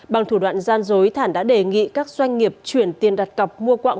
bằng thủ đoạn gian dối thản đã đề nghị các doanh nghiệp chuyển tiền đặt cọc mua quạng